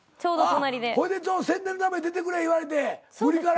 ほいで宣伝のため出てくれ言われて無理から？